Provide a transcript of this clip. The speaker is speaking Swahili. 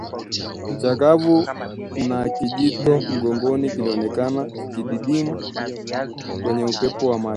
chakavu na kijitoto mgongoni kilionekana kikididimia kwenye upeo wa macho